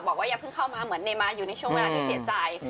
อย่าเพิ่งเข้ามาเหมือนเนมาอยู่ในช่วงเวลาที่เสียใจ